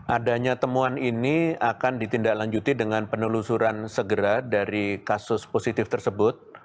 adanya temuan ini akan ditindaklanjuti dengan penelusuran segera dari kasus positif tersebut